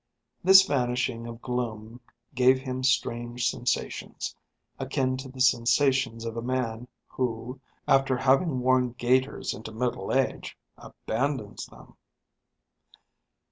This vanishing of gloom gave him strange sensations, akin to the sensations of a man who, after having worn gaiters into middle age, abandons them.